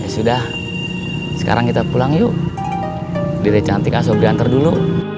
sudah sekarang kita pulang yuk diri cantik asobri antar dulu